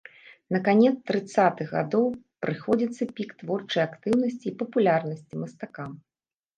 На канец трыццатых гадоў прыходзіцца пік творчай актыўнасці і папулярнасці мастака.